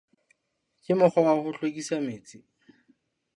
Ke mokgwa wa ho hlwekisa metsi?